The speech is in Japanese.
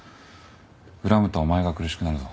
恨むとお前が苦しくなるぞ。